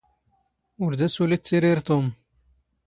ⵓⵔ ⴷⴰ ⵙⵓⵍ ⵉⵜⵜⵉⵔⵉⵔ ⵜⵓⵎ.